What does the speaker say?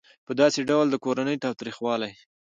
په داسې ډول د کورني تاوتریخوالي